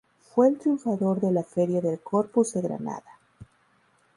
Fue el triunfador de la Feria del Corpus de Granada.